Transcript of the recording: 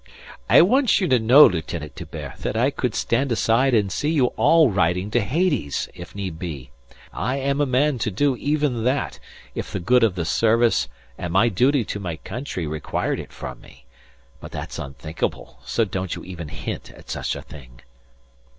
"I want you to know, Lieutenant D'Hubert, that I could stand aside and see you all riding to Hades, if need be. I am a man to do even that, if the good of the service and my duty to my country required it from me. But that's unthinkable, so don't you even hint at such a thing."